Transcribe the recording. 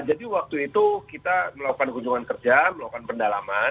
jadi waktu itu kita melakukan kunjungan kerja melakukan pendalaman